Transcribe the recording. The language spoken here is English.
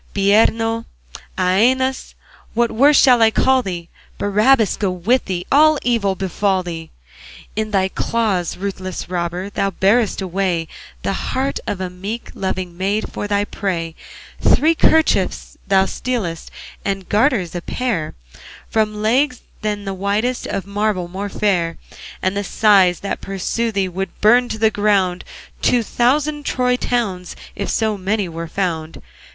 Bireno, Æneas, what worse shall I call thee? Barabbas go with thee! All evil befall thee! In thy claws, ruthless robber, Thou bearest away The heart of a meek Loving maid for thy prey, Three kerchiefs thou stealest, And garters a pair, From legs than the whitest Of marble more fair; And the sighs that pursue thee Would burn to the ground Two thousand Troy Towns, If so many were found.